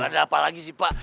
ada apa lagi sih pak